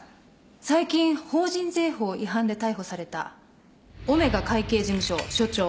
最近法人税法違反で逮捕されたオメガ会計事務所所長